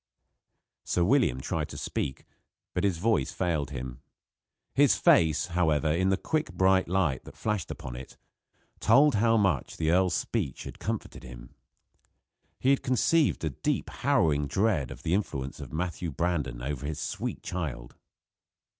Sir William tried to speak, but his voice failed him. His face, however, in the quick bright light that flashed upon it, told how much the earl's speech had comforted him. He had conceived a deep, harrowing dread of the influence of Matthew Brandon over his sweet child.